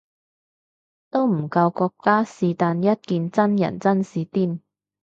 都唔夠國家是但一件真人真事癲